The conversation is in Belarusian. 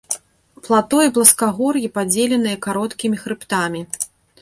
Плато і пласкагор'і, падзеленыя кароткімі хрыбтамі.